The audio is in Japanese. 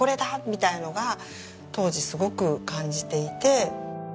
みたいなのが当時すごく感じていて。